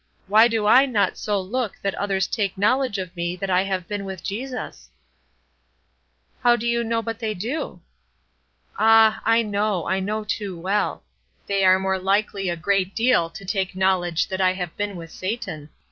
Why do I not so look that others take knowledge of me that I have been with Jesus?" "How do you know but they do?" "Ah, I know. I know too well. They are more likely a great deal to take knowledge that I have been with Satan.